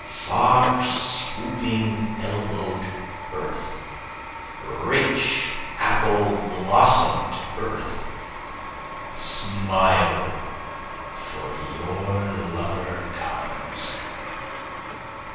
Far swooping elbow'd earth rich apple blossom'd earth! Smile, for your lover comes.